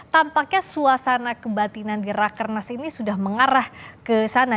tampaknya suasana kebatinan di rakernas ini sudah mengarah ke sana